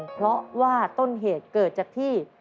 เพราะว่าต้นเหตุเกิดจากที่